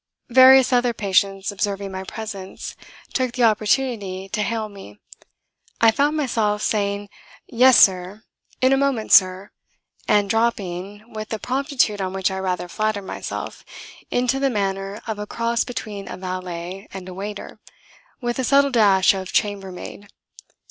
Various other patients, observing my presence, took the opportunity to hail me. I found myself saying "Yes, Sir!" "In a moment, Sir!" and dropping with a promptitude on which I rather flattered myself into the manner of a cross between a valet and a waiter, with a subtle dash of chambermaid.